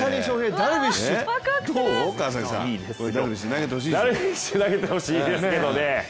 ダルビッシュ、投げてほしいですけどね。